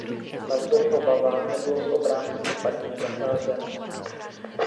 Navzdory obavám nebylo s obránci špatně zacházeno.